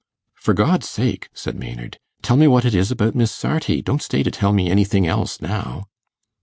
'For God's sake,' said Maynard, 'tell me what it is about Miss Sarti. Don't stay to tell me anything else now.